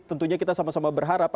tentunya kita sama sama berharap